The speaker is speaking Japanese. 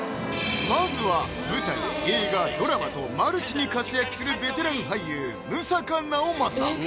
まずは舞台・映画・ドラマとマルチに活躍するベテラン俳優・六平直政